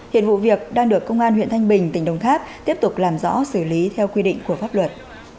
hiện vụ việc đang được công an huyện thanh bình tỉnh đồng tháp tiếp tục làm rõ xử lý theo quy định của pháp luật